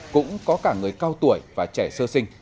cũng có cả người cao tuổi và trẻ sơ sinh